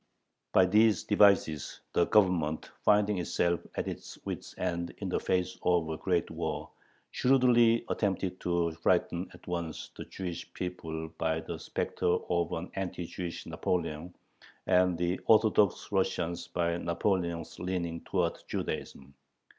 By these devices the Government, finding itself at its wits' end in the face of a great war, shrewdly attempted to frighten at once the Jewish people by the specter of an anti Jewish Napoleon and the Orthodox Russians by Napoleon's leaning towards Judaism.